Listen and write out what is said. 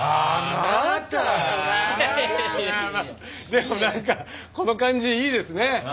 でもなんかこの感じいいですね。